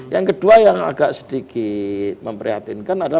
yang kedua yang agak sedikit memprihatinkan adalah